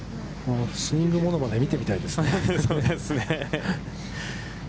スイングものまね、見てみたいですね。